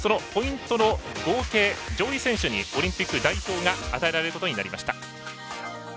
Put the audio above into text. そのポイントの合計上位選手にオリンピック代表が与えられることになりました。